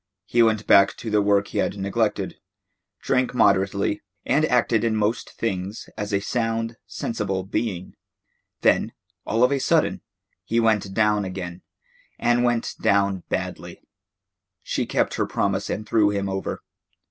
He went back to the work he had neglected, drank moderately, and acted in most things as a sound, sensible being. Then, all of a sudden, he went down again, and went down badly. She kept her promise and threw him over.